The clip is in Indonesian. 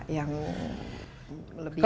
yang lebih visibel